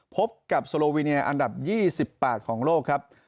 พบกับโซโลวิเนียอันดับ๒๘ของโลกครับ